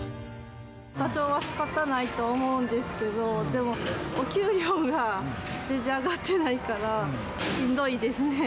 多少はしかたないと思うんですけれども、でも、お給料が全然上がってないから、しんどいですね。